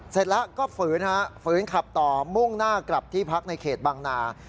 เสร็จแล้วก็ฝืนฮะฝืนขับต่อมุ่งหน้ากลับที่พักในเขตบางนา